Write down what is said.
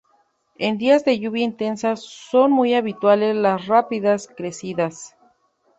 En días de lluvia intensa, son muy habituales las rápidas crecidas.